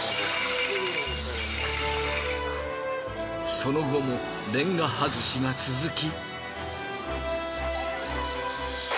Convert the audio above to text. その後もレンガ外しが続き。